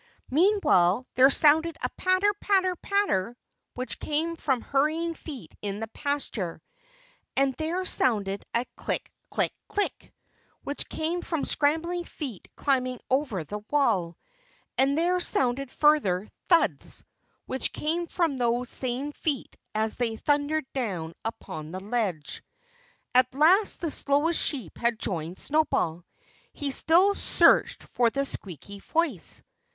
Meanwhile there sounded a patter, patter! patter! which came from hurrying feet in the pasture. And there sounded a click! click! click! which came from scrambling feet climbing over the wall. And there sounded further thuds which came from those same feet as they thundered down upon the ledge. At last the slowest sheep had joined Snowball. He still searched for the squeaky voice.